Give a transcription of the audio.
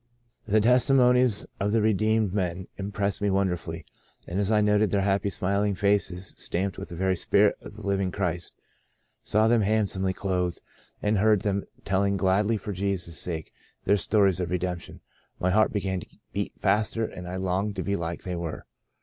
The testimonies of the re deemed men impressed me wonderfully, and as I noted their happy, smiling faces stamped with the very spirit of the Living Christ, saw them handsomely clothed, and heard them telling gladly for Jesus' sake their stories of redemption, my heart began to beat faster and I longed to be like they were.